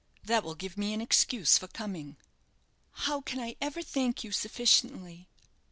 That will give me an excuse for coming." "How can I ever thank you sufficiently?"